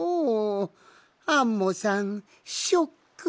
アンモさんショック。